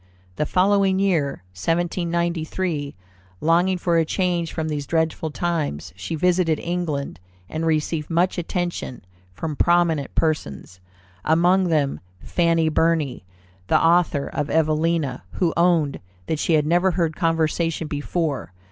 The following year, 1793, longing for a change from these dreadful times, she visited England, and received much attention from prominent persons, among them Fanny Burny, the author of Evelina, who owned "that she had never heard conversation before.